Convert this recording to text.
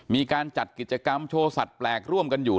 มีการจัดกิจกรรมโชว์สัตวแปลกร่วมกันอยู่